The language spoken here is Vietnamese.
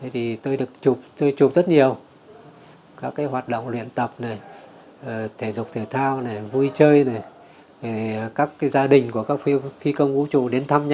thầy chụp được các phí công đang luyện tập